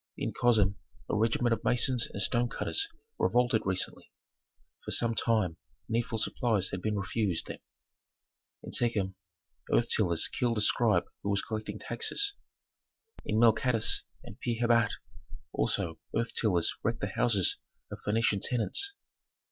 "In Kosem a regiment of masons and stone cutters revolted recently; for some time needful supplies had been refused them. In Sechem earth tillers killed a scribe who was collecting taxes. In Melcatis and Pi Hebit also earth tillers wrecked the houses of Phœnician tenants.